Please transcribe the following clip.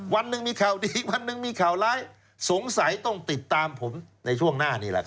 วันหนึ่งมีข่าวดีวันหนึ่งมีข่าวร้ายสงสัยต้องติดตามผมในช่วงหน้านี่แหละครับ